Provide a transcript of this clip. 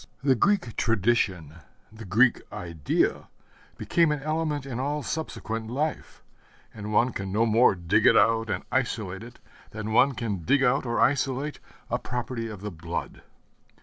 The Greek tradition, the Greek idea became an element in all subsequent life; and one can no more dig it out and isolate it than one can dig out or isolate a property of the blood.